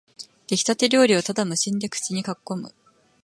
できたて料理をただ無心で口にかっこむ